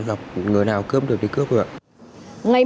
dọc người nào cướp được đi cướp rồi ạ